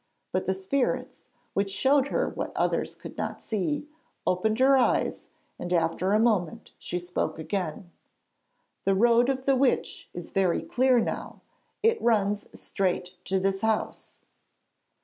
But the spirits, which showed her what others could not see, opened her eyes, and after a moment she spoke again. 'The road of the witch is very clear now; it runs straight to this house.'